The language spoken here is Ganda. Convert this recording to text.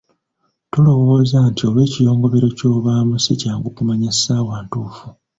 Tulowooza nti olw’ekiyongobero ky’obaamu si kyangu kumanya ssaawa ntuufu.